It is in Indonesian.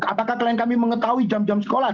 apakah klien kami mengetahui jam jam sekolah